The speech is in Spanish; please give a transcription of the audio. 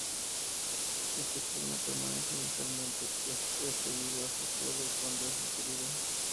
En este club no permanece inicialmente, pues es cedido al Sassuolo cuando es adquirido.